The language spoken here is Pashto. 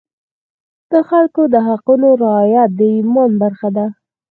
د خلکو د حقونو رعایت د ایمان برخه ده.